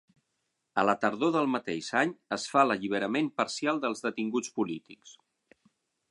A la tardor del mateix any es fa l'alliberament parcial dels detinguts polítics.